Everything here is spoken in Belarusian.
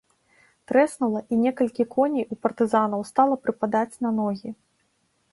Трэснула, і некалькі коней у партызанаў стала прыпадаць на ногі.